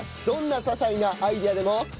どんな些細なアイデアでも。